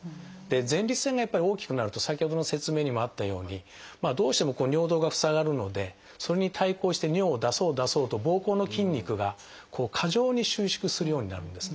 前立腺がやっぱり大きくなると先ほどの説明にもあったようにどうしても尿道が塞がるのでそれに対抗して尿を出そう出そうとぼうこうの筋肉が過剰に収縮するようになるんですね。